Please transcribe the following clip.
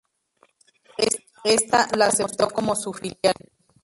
Ésta la aceptó como su filial.